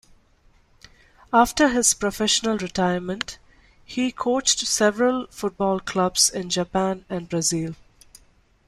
After his professional retirement, he coached several football clubs in Japan and Brazil.